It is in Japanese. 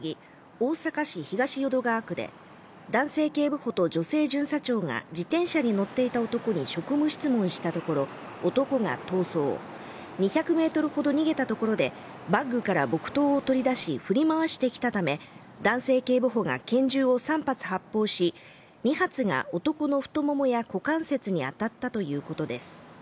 大阪市東淀川区で男性警部補と女性巡査長が自転車に乗っていた男に職務質問したところ男が逃走２００メートルほど逃げたところでバッグから木刀を取り出し振り回してきたため男性警部補が拳銃を３発発砲し２発が男の太ももや股関節に当たったということです